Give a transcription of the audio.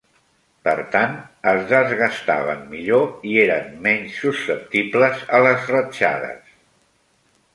Per tant, es "desgastaven" millor i eren menys susceptibles a les ratxades.